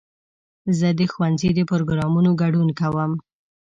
زه د ښوونځي د پروګرامونو ګډون کوم.